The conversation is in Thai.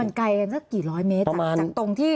มันไกลกันสักกี่ร้อยเมตรจากตรงที่